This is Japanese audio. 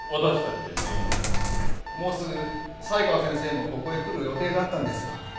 もうすぐ才川先生もここへ来る予定だったんですが。